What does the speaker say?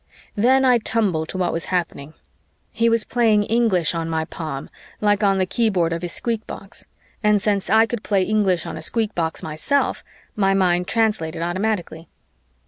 Then I tumbled to what was happening: he was playing English on my palm like on the keyboard of his squeakbox, and since I could play English on a squeakbox myself, my mind translated automatically.